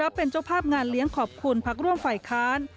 รับเป็นเจ้าภาพงานเรียนบีขอบคุณภักดิ์ร่วมฝ่ายครรภ์